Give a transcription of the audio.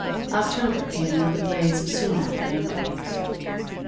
October came in with a blaze of sumac and oak leaves.